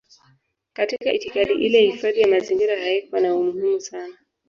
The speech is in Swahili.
Katika itikadi ile hifadhi ya mazingira haikuwa na umuhimu sana.